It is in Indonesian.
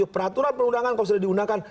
peraturan perundangan kalau sudah digunakan